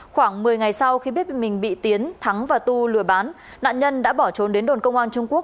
khoảng một mươi ngày sau khi biết mình bị tiến thắng và tu lừa bán nạn nhân đã bỏ trốn đến đồn công an trung quốc